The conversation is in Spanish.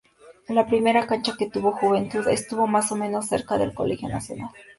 La primera cancha que tuvo Juventud, estuvo más o menos cerca del Colegio Nacional.